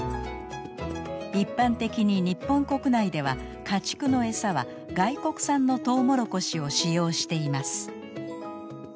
一般的に日本国内では家畜のエサは外国産のトウモロコシを使用しています。